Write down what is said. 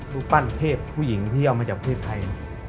รูปปั้นเทพผู้หญิงที่เอามาจากเพศไทย